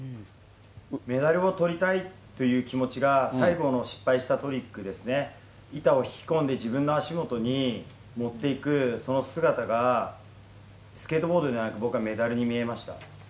メダルをとりたいっていう気持ちが、最後の失敗したトリックですね、板を引き込んで、自分の足元に乗っていく、その姿が、スケートボードではなく、僕はメダルに見えました。